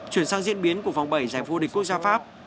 chuyển sang diễn biến của vòng bảy giải vô địch quốc gia pháp